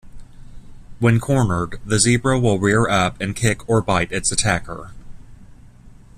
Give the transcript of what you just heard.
When cornered, the zebra will rear up and kick or bite its attacker.